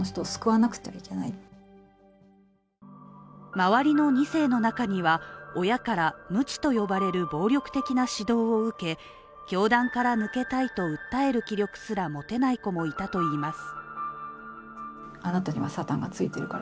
周りの２世の中には、親からムチと呼ばれる暴力的な指導を受け教団から抜けたいと訴える気力すら持てない子もいたといいます。